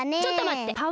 ちょっとまって！